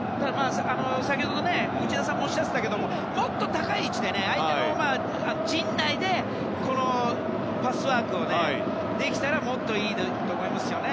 先ほど、内田さんもおっしゃっていたけどもっと高い位置で、相手の陣内でパスワークをできたらもっといいと思います。